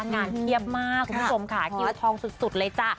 เพียบมากคุณผู้ชมค่ะคิวทองสุดเลยจ้ะ